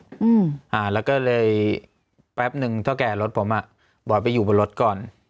อืมอ่าแล้วก็เลยแป๊บหนึ่งเท่าแก่รถผมอ่ะบอกไปอยู่บนรถก่อน